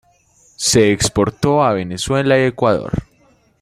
Se exportó a Venezuela y Ecuador.